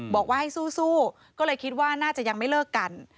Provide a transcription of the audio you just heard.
บอกว่าให้สู้ก็เลยคิดว่าน่าจะยังไม่เลิกกัน